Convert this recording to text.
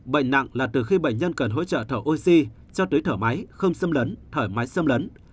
bệnh nặng là từ khi bệnh nhân cần hỗ trợ thở oxy cho tới thở máy không xâm lấn thở máy xâm lấn